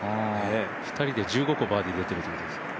２人で１５個バーディー出てるってことです。